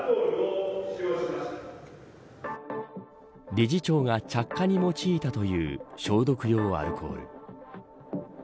理事長が着火に用いたという消毒用アルコール。